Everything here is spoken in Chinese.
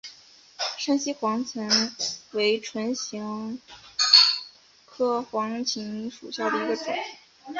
山西黄芩为唇形科黄芩属下的一个种。